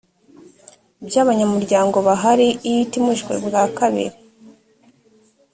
by abanyamuryango bahari iyo itumijwe bwa kabiri